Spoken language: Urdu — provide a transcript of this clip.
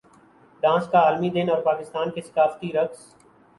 ڈانس کا عالمی دن اور پاکستان کے ثقافتی رقص